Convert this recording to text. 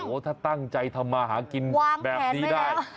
โอ้โหถ้าตั้งใจทำมาหากินแบบนี้ได้